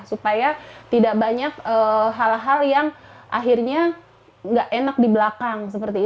supaya tidak banyak hal hal yang akhirnya nggak enak di belakang